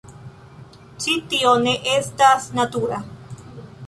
Ĉi tio ne estas natura...